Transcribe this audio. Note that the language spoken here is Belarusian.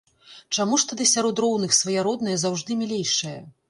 Чаму ж тады сярод роўных свая родная заўжды мілейшая?